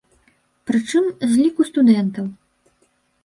Прычым, з ліку студэнтаў.